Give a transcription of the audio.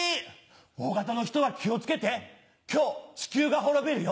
Ｏ型の人は気を付けて今日地球が滅びるよ。